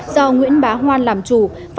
do nguyễn bá hoan làm chủ